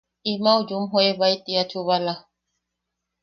Im au yumjoebae tiia chubala.